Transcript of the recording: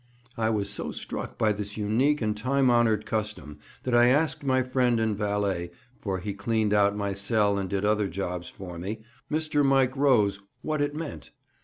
I was so struck by this unique and time honoured custom that I asked my friend and valet—for he cleaned out my cell and did other jobs for me—Mr. Mike Rose what it meant.